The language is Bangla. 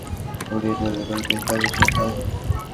পায়ের নীচের মাটি একেবারে চিরে গুড়িয়ে ধুলো করে দিয়ে তবে সেই ফসল ফলে।